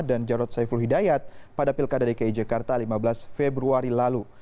dan jarod saiful hidayat pada pilkada dki jakarta lima belas februari lalu